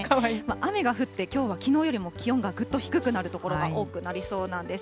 雨が降って、きょうはきのうよりも気温がぐっと低くなる所が多くなりそうなんです。